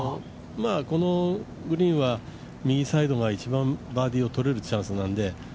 このグリーンは右サイドが一番バーディーをとれるチャンスなので。